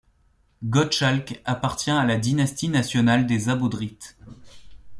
Gottschalk appartient à la dynastie nationale des Abodrites.